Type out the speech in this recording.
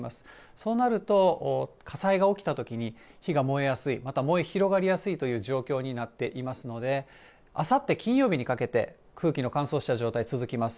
そうなると火災が起きたときに火が燃えやすい、また燃え広がりやすいという状況になっていますので、あさって金曜日にかけて、空気の乾燥した状態続きます。